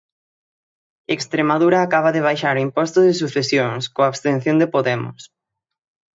Estremadura acaba de baixar o imposto de sucesións, coa abstención de Podemos.